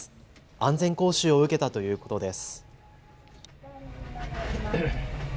安全講習を受けたということです。